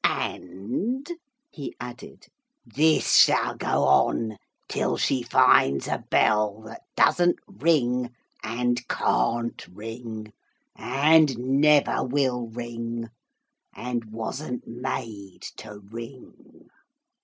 And,' he added, 'this shall go on till she finds a bell that doesn't ring, and can't ring, and never will ring, and wasn't made to ring.'